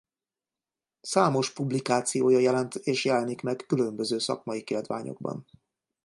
Számos publikációja jelent és jelenik meg különböző szakmai kiadványokban.